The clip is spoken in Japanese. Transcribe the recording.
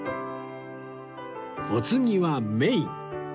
お次はメイン